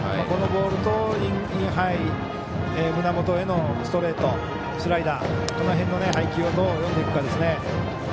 このボールとインハイ胸元へのストレートスライダー、この辺の配球をどう読んでいくかですね。